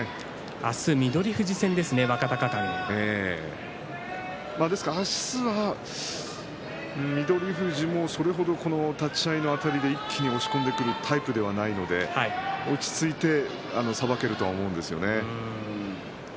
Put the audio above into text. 明日は翠富士戦です明日は翠富士それ程立ち合いのあたりで一気に押し込んでくるタイプではないので落ち着いてさばけると思うんですよね。